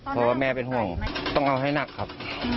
เพราะว่าแม่เป็นห่วงต้องเอาให้หนักครับ